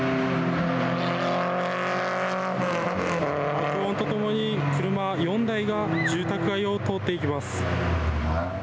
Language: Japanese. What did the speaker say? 爆音とともに車４台が住宅街を通っていきます。